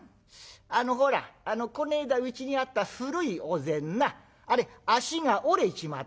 あのほらこないだうちにあった古いお膳なあれ脚が折れちまったね。